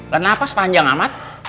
kenapa sepanjang amat